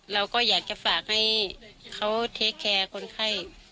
เราก็อยากจะฝากให้เขาเทคแคร์คนไข้